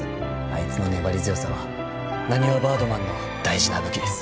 あいつの粘り強さはなにわバードマンの大事な武器です。